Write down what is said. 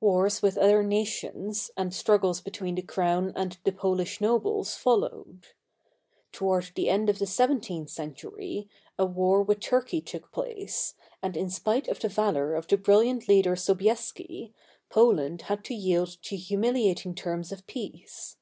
Wars with other nations and struggles between the Crown and the Pohsh nobles followed. Toward the end of the seventeenth century, a war with Tur key took place, and in spite of the valor of the brilliant leader Sobieski, Poland had to yield to humiliating terms of peace.